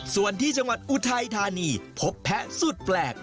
ส่วนที่จังหวัดอุทัยธานีพบแพะสุดแปลก